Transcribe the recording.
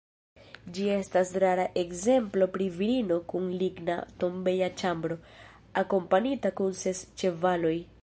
Ĝi estas rara ekzemplo pri virino kun ligna tombeja ĉambro, akompanita kun ses ĉevaloj.